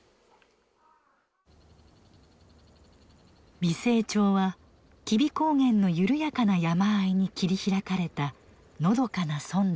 美星町は吉備高原の緩やかな山あいに切り開かれたのどかな村落。